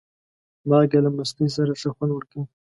مالګه له مستې سره ښه خوند ورکوي.